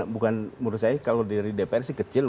bukan menurut saya kalau dari dpr sih kecil